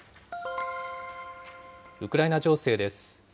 ウクライナ情勢です。